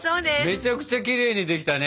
めちゃくちゃきれいにできたね。